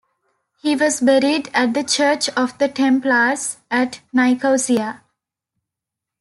He was buried at the Church of the Templars, at Nicosia.